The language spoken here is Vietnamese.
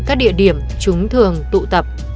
các địa điểm chúng thường tụ tập